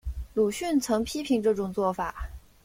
鲁迅曾批评这种做法。